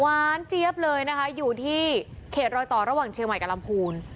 หวานเจี๊ยบเลยนะคะอยู่ที่เขตลอยต่อระหว่างเภยมัยกับลำภูนศ์